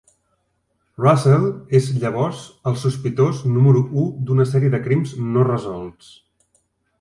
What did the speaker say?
Russell és llavors el sospitós número u d'una sèrie de crims no resolts.